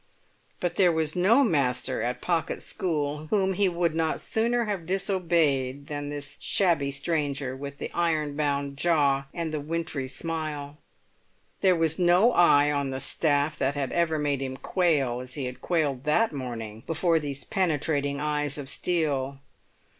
But there was no master at Pocket's school whom he would not sooner have disobeyed than this shabby stranger with the iron bound jaw and the wintry smile; there was no eye on the staff that had ever made him quail as he had quailed that morning before these penetrating eyes of steel.